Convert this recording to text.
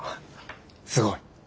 すごい。